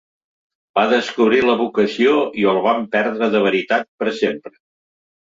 Va descobrir la vocació i el vam perdre de veritat, per sempre.